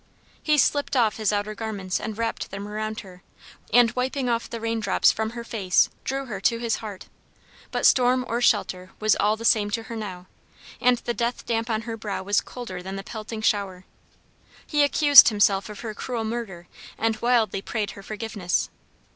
He slipped off his outer garments and wrapped them around her, and wiping off the rain drops from her face drew her to his heart. But storm or shelter was all the same to her now, and the death damp on her brow was colder than the pelting shower. He accused himself of her cruel murder and wildly prayed her forgiveness.